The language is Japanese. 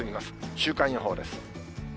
週間予報です。